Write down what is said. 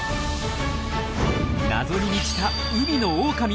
謎に満ちた海のオオカミ。